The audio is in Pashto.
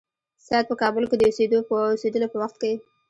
سید په کابل کې د اوسېدلو په وخت کې.